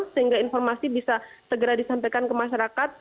sehingga informasi bisa segera disampaikan ke masyarakat